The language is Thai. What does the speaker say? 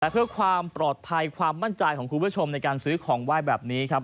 เพื่อความปลอดภัยความมั่นใจของคุณผู้ชมในการซื้อของไหว้แบบนี้ครับ